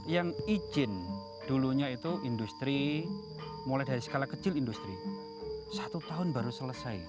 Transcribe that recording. yang izin dulunya itu industri mulai dari skala kecil industri satu tahun baru selesai